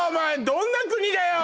どんな国だよ